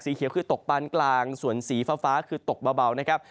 สีเขียวคือตกปานกลางส่วนสีฟ้าคือตกเบา